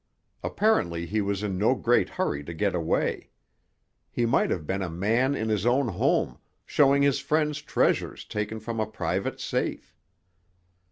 Apparently he was in no great hurry to get away. He might have been a man in his own home, showing his friends treasures taken from a private safe.